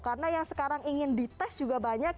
karena yang sekarang ingin dites juga banyak